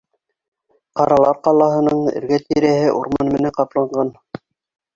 Ҡаралар ҡалаһының эргә-тирәһе урман менән ҡапланған.